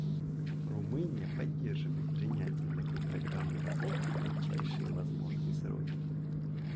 Румыния поддерживает принятие такой программы работы в кратчайшие возможные сроки.